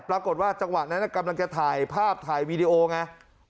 ปรากฏว่าจังหวะนั้นกำลังจะถ่ายภาพถ่ายวีดีโอไง